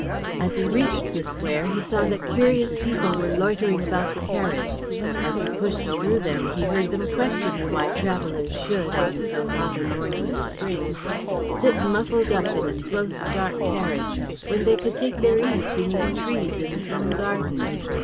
As he reached the square, he saw that curious people were loitering about the carriage; as he pushed through them, he heard them questioning why travellers should on so hot a morning of spring sit muffled up in a close, dark carriage when they could take their ease beneath trees in the inn garden.